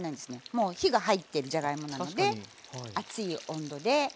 もう火が入ってるじゃがいもなので熱い温度で。